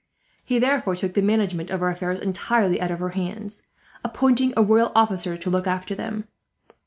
He therefore took the management of her affairs entirely out of her hands, appointing a royal officer to look after them.